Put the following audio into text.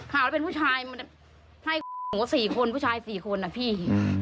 หาว่าเป็นผู้ชายให้หนูว่า๔คนผู้ชาย๔คนนะพี่